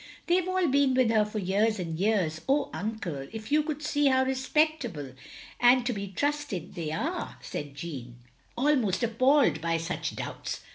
"They have all been with her for years and years. Oh Uncle, if you could see how respect able and to be trusted they are," said Jeanne, almost appalled by such doubts.